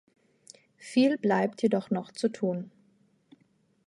Viel bleibt jedoch noch zu tun.